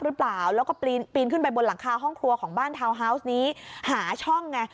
อืมเพราะอะไรครับบนเรนตรงนี้เป็นห้องน้ำหรือ